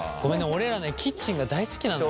俺らねキッチンが大好きなのよ。